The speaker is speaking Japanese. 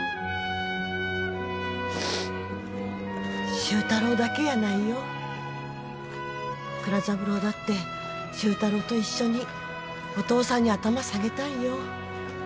周太郎だけやないよ蔵三郎だって周太郎と一緒にお父さんに頭下げたんよ